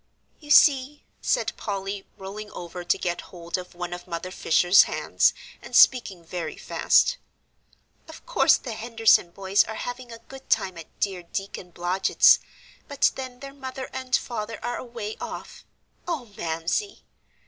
"You see," said Polly, rolling over to get hold of one of Mother Fisher's hands, and speaking very fast, "of course the Henderson boys are having a good time at dear Deacon Blodgett's, but then their mother and father are away off. Oh, Mamsie!"